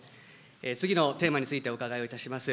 次のテーマについて、お伺いいたします。